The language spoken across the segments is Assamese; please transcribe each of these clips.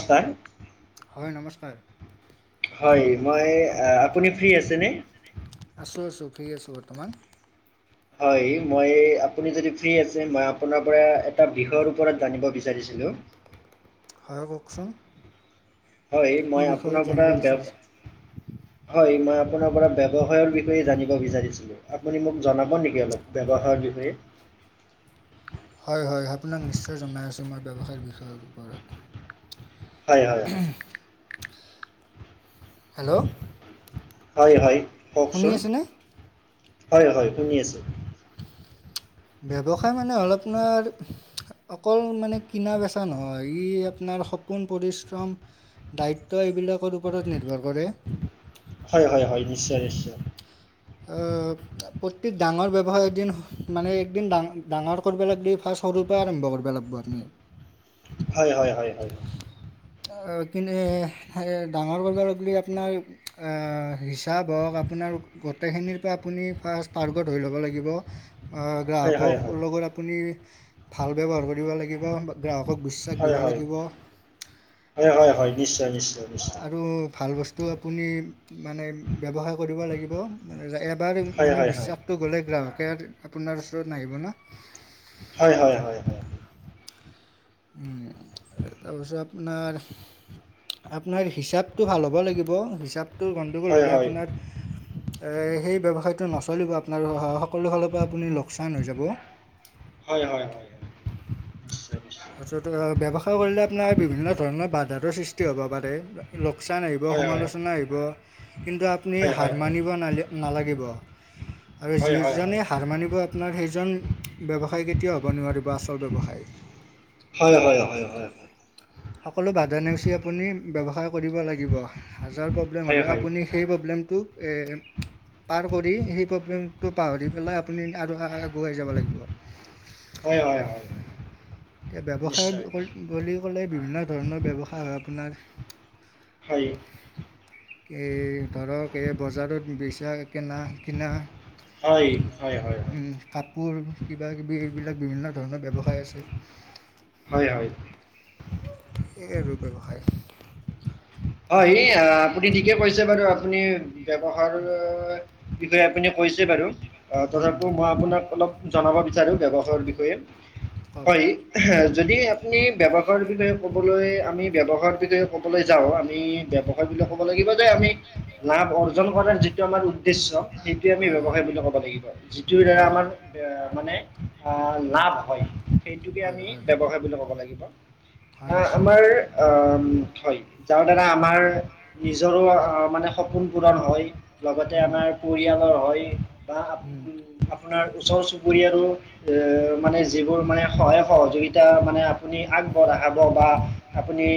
নমস্কাৰ। হয় মই আপুনি ফ্ৰী আছেনে। আছোঁ আছোঁ ফ্ৰীৰি আছোঁ বৰ্তমান। হয় মই আপুনি যদি ফ্ৰীৰি আছে মই আপোনাৰ পৰা এটা বিষয়ৰ ওপৰত জানিব বিচাৰিছিলোঁ। হয়, কওকচোন। হয়, মই আপোনাৰ পৰা। হয়, মই আপোনাৰ পৰা ব্যয়ৱসায়ৰ বিষয়ে জানিব বিচাৰিছিলো। আপুনি মোক জনাব নেকি অলপ ব্যৱসায় বিষয়ে। হয়, হয় আপোনাক নিশ্চয় জনাই আছোঁ মই ব্যৱসায়ৰ বিষয়ৰ ওপৰত। হয়, হয়, হয়। হেল্ল'। কওকচোন হয়, হয় শুনি আছো। ব্যৱসায় মানে অল আপোনাৰ। অকল মানে কিনা বেচা নহয়, ই আপোনাৰ সপোন পৰিশ্ৰম- দায়িত্ব এইবিলাকৰ ওপৰত নিৰ্ভৰ কৰে। হয়, হয়, হয়, নিশ্চয়, নিশ্চয়। এ প্ৰত্যেক ডাঙৰ ব্যৱসাৰ এদিন মানে এদিন ডা ডাঙৰ কৰিব লাগ দি ফাৰ্ষ্ট- সৰু পৰা আৰম্ভ কৰিব লাগব উ'ম। হয় হয় হয়। অ কিনে ডাঙৰ কৰিব বুলি আপোনাৰ অঁ হিচাপ হওক আপোনাৰ- গোটেইখিনিৰ পৰা আপুনি ফাৰ্ষ্ট টাৰ্গ ধৰি ল'ব লাগিব। গ্ৰাহকক লগত আপুনি ভাল ব্যৱহাৰ কৰিব লাগিব। গ্ৰাহকক বিশ্বাস দিব লাগিব। হয়, হয়, হয়, নিশ্চয়, নিশ্চয়, নিশ্চয়। টো আপুনি মানে ব্যৱসায় কৰিব লাগিব মে এবাৰ মানে বিশ্বাস। গ'লে গ্ৰাহকে আপোনাৰ ওচৰত নাহিব ন। হয়, হয়, হয়, হয়। তাৰপিছত আপোনাৰ। আপোনাৰ হিচাপটো ভাল হ'ব লাগিব। হিচাপটো গণ্ডগোল হ'লে আপোনাৰ। সেই ব্যৱসায়টো নচলিব আপোনাৰ সকলো ফালৰ পৰা আপুনি লোকচান হৈ যাব। হয়, হয়, হয়। তাৰপিছত ব্যৱসায় কৰিলে আপোনাৰ বিভিন্ন ধৰণৰ বাধাটো সৃষ্টি হ'ব পাৰে। লোকচান আহিব সমালোচনা আহিব কিন্তু আপুনি হাৰ মানিব নালগে। নালাগিব আৰু যিজনে হাৰ মানিব। আপোনাৰ সেইজন ব্যৱসায় কেতিয়াও হ'ব নোৱাৰিব আচল ব্যৱসায়। হয়, হয়, হয়, হয়। সকলো বাধা নেওচি আপুনি ব্যৱসায় কৰিব লাগিব। হাজাৰ প্ৰব্লেম হ'লেও আপুনি সেই প্ৰব্লেমটোক। পাৰ কৰি সেই প্ৰব্লেমটো পাহৰি পেলাই আপুনি আৰু আগুৱাই যাব লাগিব। হয় হয় হয় এতিয়া ব্যৱসায় বুলি ক'লে বিভিন্ন ধৰণৰ ব্যৱসায় হয় আপোনাৰ- হয়। এই ধৰক এই বজাৰত বেচা কিনা কিনা। উম কাপোৰ কিবা কিবি এইবিলাক বিভিন্ন ধৰণৰ ব্যৱসায় আছে। হয়, হয়। সেয়া আৰু ব্যৱসায়। হয়, আপুনি ঠিকে কৈছে বাৰু আপুনি ব্যৱহাৰ। বিষয়ে আপুনি কৈছে বাৰু অ তথাপিও মই আপোনাক অলপ। জনাব বিচাৰো ব্যৱসায়ৰ বিষয়ে, হয় এ যদি- আপুনি ব্যৱসায়ৰ বিষয়ে ক'বলৈ আমি ব্যৱসায়ৰ বিষয়ে ক'বলৈ যাওঁ। আমি ব্যৱসায় বুলি ক'ব লাগিব যে আমি- লাভ অৰ্জন কৰাৰ যিটো আমাৰ উদ্দেশ্য সেইটোৱে আমি ব্যয়ৱসায় বুলি ক'ব লাগিব যিটোৰ দ্বাৰা আমাৰ- মানে আহ লাভ হয় সেইটোকে আমি ব্যৱসায় বুলি ক'ব লাগিব। আহ আমাৰ অ হয় যাৰ দ্বাৰা আমাৰ নিজৰো মানে সপোন পূৰণ হয়। লগতে আমাৰ পৰিয়ালৰ হয় বা আ আপোনাৰ ওচৰ চুবুৰীয়াৰো। এ মানে যিবোৰ মানে সহায় সহযোগিতা মানে আপুনি আগবঢ়াব বা- আপুনি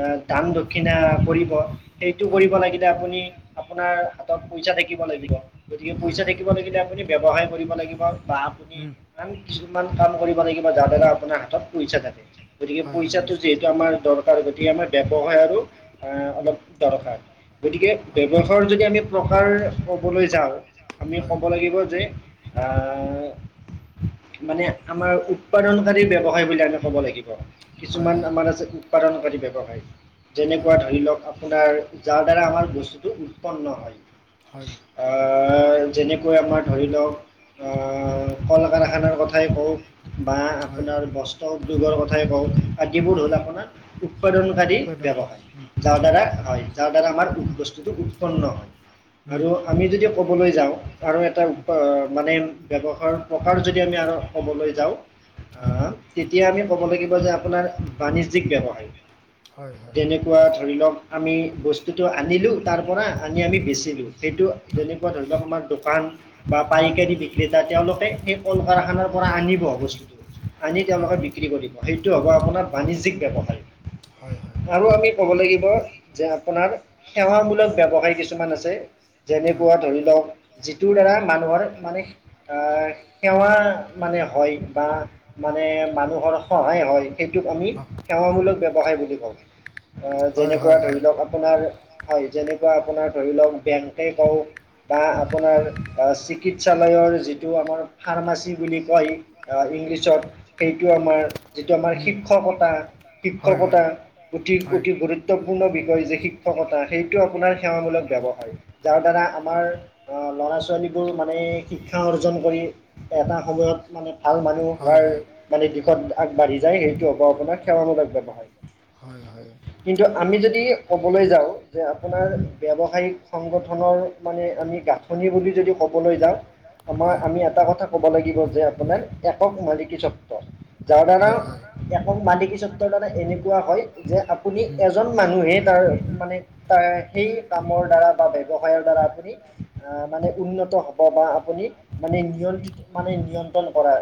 অঁ দাম- কি কৰিব সেইটো কৰিব লাগিলে আপুনি আপোনাৰ- পইচা থাকিব লাগিব গতিকে পইচা থাকিব লাগিলে আপুনি ব্যৱসায় কৰিব লাগিব বা আপুনি আন কিছুমান কাম কৰিব লাগিব যাৰ দ্বাৰা আপোনাৰ হাতত পইচা থাকে। গতিকে পইচাটো যিহেতু আমাৰ দৰকাৰ গতিকে আমাৰ ব্যৱসায়ৰো আৰু। আহ অলপ দৰকাৰ। গতিকে ব্যৱসায়ৰ যদি আমি প্ৰকাৰ ক'বলৈ যাওঁ, আমি ক'ব লাগিব যে আহ মানে আমাৰ উৎপাদনকাৰী ব্যৱসায় বুলি আমি ক'ব লাগিব। কিছুমান আমাৰ আছে উৎপাদনকাৰী ব্যৱসায়। যেনেকুৱা ধৰি লওক আপোনাৰ, যাৰ দ্বাৰা আমাৰ বস্তুটো উৎপন্ন হয়। যেনেকৈ আমাৰ ধৰি লওক, আ কল কাৰখানাৰ কথাই কওক, বা আপোনাৰ বস্ত্ৰ উদ্যোগৰ কথাই কওক, আদিবোৰ হ'ল আপোনাৰ উৎপাদনকাৰী ব্যৱসায়, যাৰ দ্বাৰা হয় যাৰ দ্বাৰা আমাৰ উৎ বস্তুটো উৎপন্ন হয়। আৰু আমি যদি ক'বলৈ যাওঁ আৰু এটা মানে ব্যৱহাৰ প্ৰকাৰ যদি আমি আৰু ক'বলৈ যাওঁ, হয়' তেতিয়া আমি ক'ব লাগিব যে আপোনাৰ' বাণিজ্যিক ব্যৱসায়ী। হয় হয়। এনেকুৱা ধৰি লওক আমি বস্তুটো আনিলোঁ, তাৰ পৰা আনি আমি বেচিলো, সেইটো যেনেকুৱা ধৰি লওক' আমাৰ দোকান বা পাৰিকা তেওঁলোকে সেই কল কাৰখানাৰ পৰা আনিব বস্তুটো, আনি তেওঁলোকে বিক্ৰী কৰিব, সেইটো হ'ব আপোনাৰ বাণিজ্যিক ব্যৱসায়ী। আৰু আমি ক'ব লাগিব যে' আপোনাৰ সেৱামূলক ব্যৱসায় কিছুমান আছে, যেনেকুৱা ধৰি লওক, যিটোৰ দ্বাৰা মানুহৰ মানে সেৱা মানে হয় বা মানে মানুহৰ সহায় হয়। সেইটোক আমি সেৱামূলক ব্যৱসায় বুলি কওঁ। আহ যেনেকুৱা ধৰি লওক আপোনাৰ হয়, যেনেকুৱা আপোনাৰ ধৰি লওক বেংক কওঁক, বা আপোনাৰ চিকিৎসালয়ৰ যিটো আমাৰ ফাৰ্মাচী বুলি কয়, আহ ইংলিছত সেইটো আমাৰ যিটো আমাৰ শিক্ষকতা, শিক্ষকতা অতি অতি গুৰুত্ব গুৰুত্বপূৰ্ণ বিষয় যে শিক্ষকতা, সেইটোএ আপোনাৰ সেৱামূলক ব্যৱসায়। যাৰ দ্বাৰা আমাৰ আহ ল'ৰা-ছোৱালীবোৰ মানে, শিক্ষা অৰ্জন কৰি এটা সময়ত মানে ভাল মানুহ হোৱাৰ মানে দিশত আগবাঢ়ি যায়, সেইটো হ'ব আপোনাৰ সেৱামূলক ব্যৱসায়। হয় হয়। কিন্তু আমি যদি ক'বলৈ যাওঁ, যে আপোনাৰ ব্যৱসায়িক সংগঠনৰ মানে আমি গাঁথনি বুলি যদি ক'বলৈ যাওঁ আমাৰ আমি এটা কথা ক'ব লাগিব যে, আপোনাৰ একক মালিকী স্বত্ব। যাৰ দ্বাৰা একক মালিকী স্বত্বৰ দ্বাৰা এনেকুৱা হয়! যে আপুনি এজন মানুহে তাৰ মানে তাৰ সেই কামৰ দ্বাৰা বা ব্যৱসায়ৰ দ্বাৰা আপুনি আহ মানে উন্নত হব বা আপুনি মানে নিয়ন্ত্ৰিত মানে নিয়ন্ত্ৰণ কৰা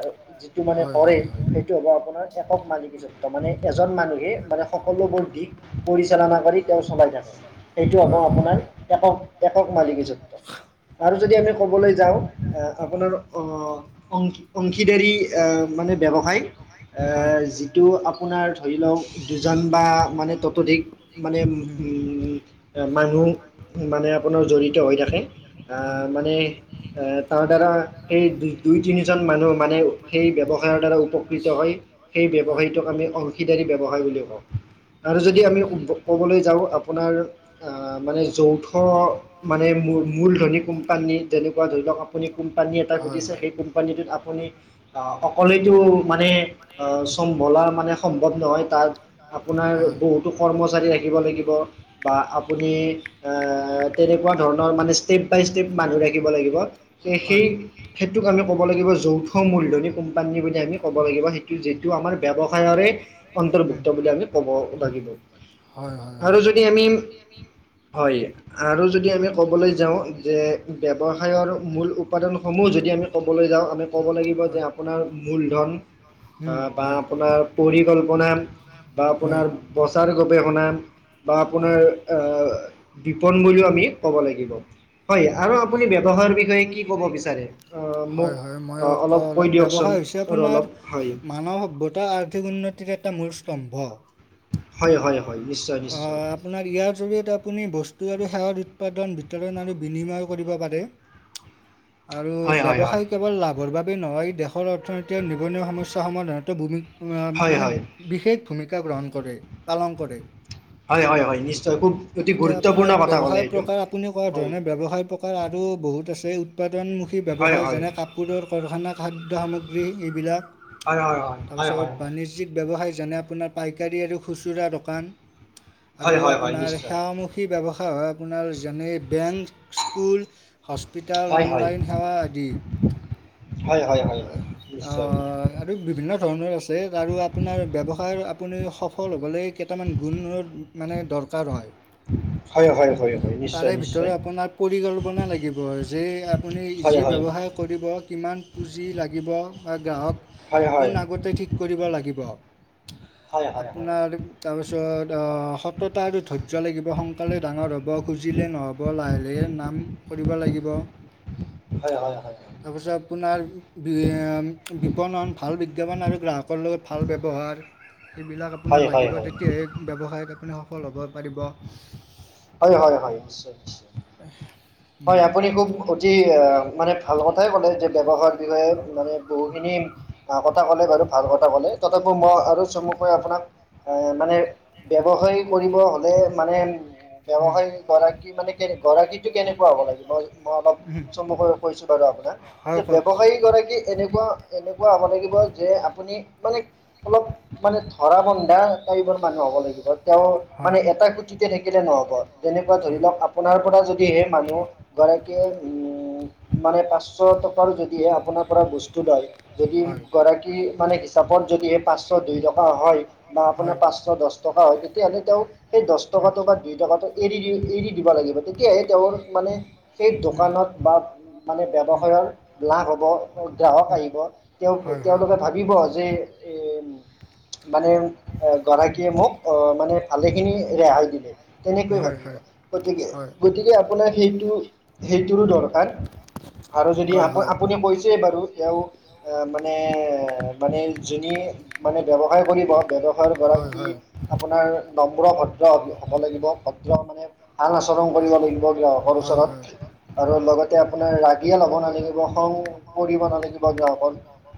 যিটো মানে কৰে, সেইটো হ'ব আপোনাৰ একক মালিকী স্বত্ত্ব। মানে এজন মানুহে মানে সকলোবোৰ দিশ পৰিচালনা কৰি তেওঁ চলাই থাকে। সেইটো হ'ব আপোনাৰ একক একক মালিকী স্বত্ত্ব। আৰু যদি আমি ক'বলৈ যাওঁ' এ আপোনাৰ অ অংশীদাৰী মানে ব্যৱসায়, এ যিটো আপোনাৰ ধৰি লওক, দুজান বা মানে ততোধিক মানে মানুহ মানে আপোনাৰ জড়িত হৈ থাকে, আহ মানে এ তাৰ দ্বাৰা সেই দু দুই তিনিজন মানুহ মানে সেই ব্যৱসায়ৰ দ্বাৰা উপকৃত হয়। সেই ব্যৱসায়ীটোক আমি অংশীদাৰী ব্যৱসায় বুলি কও আৰু যদি আমি ক'বলৈ যাওঁ' আপোনাৰ মানে যৌথ মানে মূ মূলধনী কোম্পানী, যেনেকুৱা ধৰি লওক আপুনি কোম্পানী এটা ঘটিছে, সেই কোম্পানীটোত আপুনি অ' অকলেইতো মানে অ'- চম্ভলাৰ মানে সম্ভৱ নহয় তাত আপোনাৰ বহুতো কৰ্মচাৰী ৰাখিব লাগিব, বা আপুনি অ'- তেনেকুৱা ধৰণৰ মানে ষ্টেপ-বাই-ষ্টেপ মানুহ ৰাখিব লাগিব। এ- সেই সেইটোক আমি ক'ব লাগিব যৌথ মূল্য, [unintelligible] কোম্পানী বুলি আমি ক'ব লাগিব সেইটো, যিটো আমাৰ ব্যৱসায়ৰে অন্তৰ্ভুক্ত বুলি আমি ক'ব লাগিব। হয় - হয় - হয়। আৰু যদি আমি হয়। আৰু যদি আমি ক'বলৈ যাওঁ যে, ব্যৱসায়ৰ মূল উপাদানসমূহ যদি আমি ক'বলৈ যাওঁ, আমি ক'ব লাগিব যে আপোনাৰ মূলধন অ'- বা আপোনাৰ পৰিকল্পনাৰ বা আপোনাৰ প্ৰচাৰ গৱেষণা বা আপোনাৰ অ'- বিপন বুলিও আমি ক'ব লাগিব। হয়। আৰু আপুনি ব্যৱসায়ৰ বিষয়ে কি ক'ব বিচাৰে? অ'- মোক অলপ। ব্যৱসায় হৈছে আপোনাৰ মানৱ সভ্যতা আৰ্থিক উন্নতিৰ এটা মূল স্তম্ভ। হয় - হয় হ আপোনাৰ ইয়াৰ জৰিয়তে আপুনি বস্তু আৰু সেৱাৰ উৎপাদন বিতৰণ আৰু বিনিময় কৰিব পাৰে। [inaudible] আৰু ব্যৱসায় কেৱল লাভৰ বাবেই নহয়, দেশৰ অৰ্থনীতি আৰু নিবনুৱা সমস্যা সমাধানতো ভূমি আ- মানে বিশেষ ভূমিকা গ্ৰহণ কৰে- পালন কৰে। হয় - হয় - হয়, নিশ্চয়। খুব এতিয়া আপোনাৰ ব্যৱসায় প্ৰকাৰ আপুনি কোৱা ধৰণে ব্যৱসায় প্ৰ কাৰ আৰু বহুত আছে। উৎপাদনমুখী ব্যৱসায়, যেনে কাপ পোৰৰ কাৰখানা, খাদ্য সামগ্ৰী, এইবিলাক। তাৰপিছত বাণি জ্যিক ব্যৱসায়, যেনে আপোনাৰ পাইকাৰী আৰু খুচুৰা দোকান, আৰু আপোনাৰ মূখী ব্যৱসায় হয় আপোনাৰ যেনে বেংক, স্কুল হস্পিটাল, অনলাইন সেৱা আদি। অ' আৰু বিভিন্ন ধৰণৰ আছে। আৰু আপোনাৰ ব্যৱসায় আপুনি সফল হ'বলৈ কেইটামান গুণৰ মানে দৰকাৰ হয়। হয় - হয় - হয় - হয়। নিশ্চয় - নিশ্চয়। পৰিকল্পনা লাগিব, যে আপুনি যি ব্যৱসায় কৰিব, কিমান পুঁজি লাগিব, বা গ্ৰাহক কোন, আগতে ঠিক কৰিব লাগিব। আপোনাৰ তাৰপিছত অ'- সততা আৰু ধ য্য লাগিব। সোনকালে ডাঙৰ হ'ব খুজিলে নহ'ব, লাহে - লাহে নাম কৰিব লাগিব। হয় - হয় - হয় - হয়। তাৰপিছত আপোনাৰ বি- বিপণন, ভাল বিজ্ঞাপন আৰু গ্ৰাহকৰ লগত ভাল ব্যৱহাৰ এইবিলাক আপোনাৰ লাগিব, তেতিয়াহে ব্যৱসায়ত আপুনি সফল হ'ব পাৰিব। হয় - হয় - হয়, নিশ্চয় - নিশ্চয়। হয়, আপুনি খুব অতি অ'- মানে ভাল কথাই ক'লে, যে ব্যৱসায়ৰ বিষয়ে মানে বহুখিনি আ- কথা ক'লে বাৰু, ভাল কথা ক'লে। তথাপিও মই আৰু চমুকৈ আপোনাক এ মানে ব্যৱসায় কৰিব হলে মানে ব্যৱসায় গৰাকী মানে কেনে- গৰাকীটো কেনেকুৱা হ'ব লাগিব মই অলপ চমুকৈ কৈছোঁ বাৰু আপোনাক, যে ব্যৱসায়ীগৰাকী এনেকুৱা- এনেকুৱা হ'ব লাগিব, যে আপুনি মানে অলপ মানে ধৰা-বন্ধা টাইপৰ মানুহ হ'ব লাগিব। তেওঁ মানে এটা খুটিতে থাকিলে নহ'ব। তেনেকুৱা ধৰি লওঁক, আপোনাৰ পৰা যদি সেই মানুহগৰাকীয়ে উম- মানে পাঁচ শ টকাৰো যদিহে আপোনাৰ পৰা বস্তু লয়, যদি গৰাকী- মানে হি চাপত যদি সেই পাঁচশ দুই টকা হয়, বা আপোনাৰ পাঁচশ দশ টকা হয়, তেতিয়াহ'লে তেওঁক সেই দশ টকাটো দুই টকাটো এৰি দি- এৰি দিব লাগিব। তেতিয়াহে তেওঁৰ মানে সেই দোকানত বা মানে ব্যৱসায়ৰ লাভ হ'ব, গ্ৰাহক আহিব, তেওঁ- তেওঁলোকে ভাবিব মানে গৰাকীয়ে মোক মানে ভালে খিনি ৰেহাই দিলে তেনেকৈ ভাবিব গতিকে গতিকে আপোনাৰ সেইটো সেইটোৰো দৰকাৰ আৰু যদি আপুনি কৈছে বাৰু তেও মানে - মানে জোনে মানে ব্যৱসায় কৰিব ব্যৱসায় গৰাকী আপোনাৰ নম্ৰ ভদ্ৰ হ'ব লাগিব ভদ্ৰ মানে ভাল আচৰণ কৰিব লাগিব গ্ৰাহকৰ ওচৰত আৰু লগতে আপোনাৰ ৰাগিয়াল হ'ব নালাগিব খং কৰিবব নালাগিব গ্ৰাহকক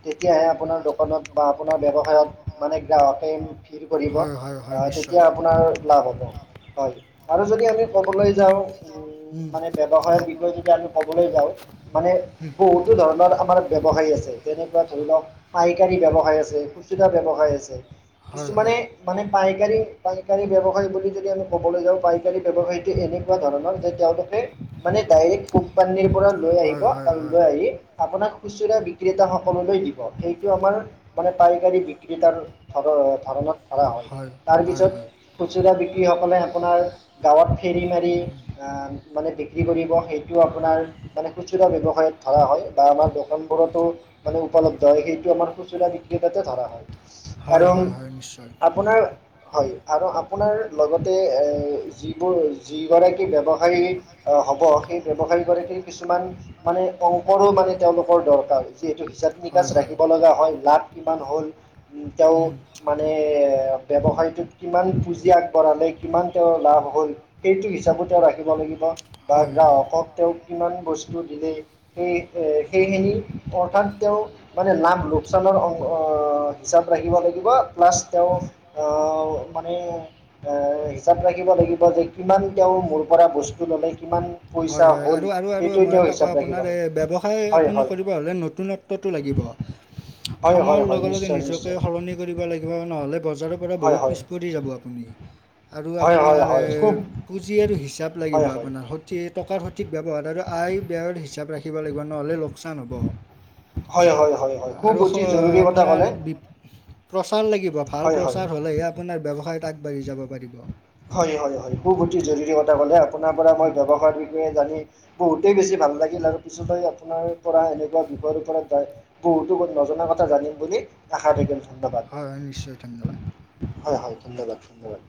তেতিয়াহে আপোনাৰ দোকানত বা আপোনাৰ ব্যৱসায়ত মানে গ্ৰাহকে ভিৰ কৰিব। হয় তেতিয়া আপোনাৰ লাভ হব হয়, আৰু যদি আমি ক'বলৈ যাও উম, মানে ব্যৱসায়ৰ বিষয়ে যদি আমি ক'বলৈ যাও মানে বহু তো ধৰণৰ আমাৰ ব্যৱসায় আছে তেনেকুৱা ধৰি লওক পা ইকাৰি ব্যৱসায় আছে খুচুৰা ব্যৱসায় আছে, কিছুমানে মানে পাইকাৰী - পাইকাৰী ব্যৱসায় বুলি যদি আমি ক'বলৈ যাও পাইকাৰী ব্যৱসায় এনেকুৱা ধৰণৰ যে তেওঁলোকে মানে ডাইৰেক্ট কোমপানীৰ পৰা লৈ আহিব, আৰু লৈ আহি আপোনাক খুচুৰা বিক্ৰিতা সকলোলৈ দি সেইটো আমাৰ মানে পাইকাৰী বিক্ৰিতাৰ ধৰ ধৰণত ধৰা হয়। হয়-হয়-হয়। খুচুৰা বিক্ৰীসকলে আপোনাৰ গাঁৱত ফেৰী মাৰি মানে বিক্ৰী কৰিব সেই আপোনাৰ মানে খুচুৰা ব্যৱসায়ত ধৰা হয়, বা আমাৰ দোকান বোৰতো মানে উপলব্ধ হয় সেইটো আমাৰ খুচুৰা বিক্ৰিতাতে ধৰা হয়। আৰু আপোনাৰ হয় আৰু আপোনাৰ লগতে যিবোৰ যিগৰাকী ব্যৱসায়ী হ'ব সেই ব্যৱসায়ী গৰাকীৰ কিছুমান মানে অংকৰো মানে তেওঁলোকৰ দৰকাৰ যে এইটো হিচাপ নিকাচ ৰাখিব লগা হয় লাভ কিমান হ'ল। তেওঁ মানে ব্যৱসায়টোত কিমান পুঁজি আগবঢ়ালে কিমান তেওঁৰ লাভ হয়। সেইটো হিচাপো তেওঁ ৰাখিব লাগিব বা গ্ৰাহকক তেওঁক কিমান বস্তু দিলে সেই এ সেইখিনি অৰ্থাৎ তেওঁ মানে লাভ লোকচানৰ অং হিচাপ ৰাখিব লাগিব প্লাচ তেওঁ অ, মানে এ হিচাপ ৰাখিব লাগিব যে কিমান তেওঁ মোৰ পৰা বস্তু ললে কিমান হয়-হয় আৰু আৰু আৰু মই এটা কও আপোনাৰ এই ব্যৱসায় আপুনি কৰিব হ'লে নতুনত টো লাগিব সময়ৰ লগে লগে নিজকে সলনি কৰিব লাগিব নহ'লে বজাৰৰ পৰা বহুত পিছ পৰি যাব আপুনি। আৰু আপোনাৰ পুঁজি আৰু হিচাপ লাগিব আপোনাৰ সত সেই টকাৰ সঠিক ব্যৱহাৰ আৰু আয় ব্যয়ৰ হিচাপ ৰাখিব লাগিব নহ'লে ল লোকচান হ'ব আৰু আপোনাৰ প্ৰচাৰ লাগিব ভাল প্ৰচাৰ হ'লেহে আপোনাৰ ব্যৱসায়ত আগবাঢ়ি যাব পাৰিব। হয়-হয়-হয় বহুত অতি জৰুৰী কথা ক'লে আপোনাৰ পৰা মই ব্যৱসায়ৰ বিষয়ে জানি বহুতেই বেছি ভাল লাগিল আৰু পিছত আপোনাৰ পৰা এনেকুৱা বিষয়ৰ ওপৰত বহুতো নজনা কথা জানিম বুলি আশা থাকিল। হয় - হয় নিশ্চয় ধন্যবাদ। হয়-হয় ধন্যবাদ-ধন্যবাদ।